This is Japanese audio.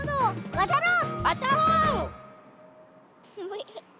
わたろう！